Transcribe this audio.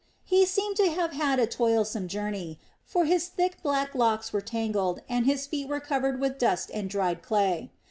He seemed to have had a toilsome journey; for his thick black locks were tangled and his feet were covered with dust and dried clay.